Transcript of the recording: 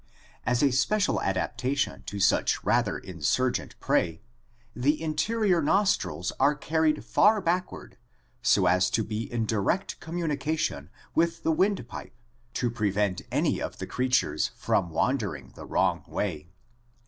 As a special adaptation to such rather insurgent prey, the interior nostrils are carried far backward so as to be in direct communication with the windpipe to prevent any of the creatures from wandering the wrong way.